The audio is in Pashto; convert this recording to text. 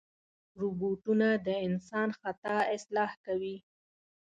روبوټونه د انسان خطا اصلاح کوي.